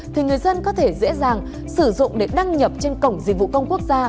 thì người dân có thể dễ dàng sử dụng để đăng nhập trên cổng dịch vụ công quốc gia